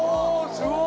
すごい